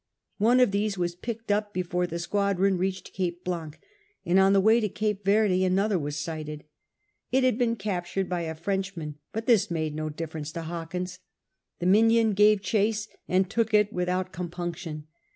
One of these was picked up before the squadron reached Cape Blanc, and on the way to Cape Verde another was sighted. It had been captured by a Frenchman, but this made no difference to Hawkins. The Minion gave chase, and took it without compunction.